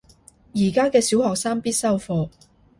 而家嘅小學生必修課